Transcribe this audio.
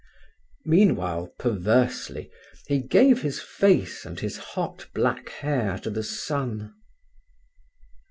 Meanwhile, perversely, he gave his face and his hot black hair to the sun.